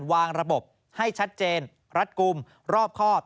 วางระบบให้ชัดเจนรัดกลุ่มรอบครอบ